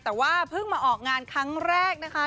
แต่ว่าเพิ่งมาออกงานครั้งแรกนะคะ